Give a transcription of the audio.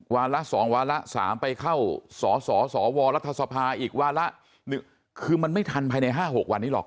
วาระสองวาระสามไปเข้าสอสอสอวรรถสภาอีกวาระหนึ่งคือมันไม่ทันภายในห้าหกวันนี้หรอก